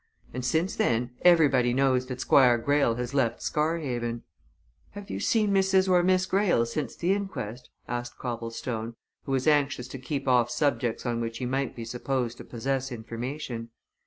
And, since then, everybody knows that Squire Greyle has left Scarhaven." "Have you seen Mrs. or Miss Greyle since the inquest?" asked Copplestone, who was anxious to keep off subjects on which he might be supposed to possess information.